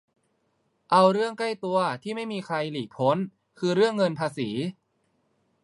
เอาเรื่องใกล้ตัว ที่ไม่มีใครหลีกพ้น คือเรื่องเงินภาษี